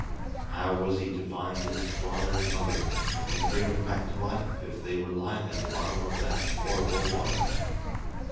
How was he to find his father and mother, and bring them back to life, if they were lying at the bottom of that horrible water?